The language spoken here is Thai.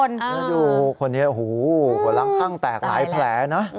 น่าดูคนนี้หูหลังขั้งแตกหลายแผลนะ